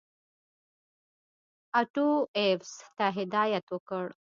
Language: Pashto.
آټو ایفز ته هدایت وکړ.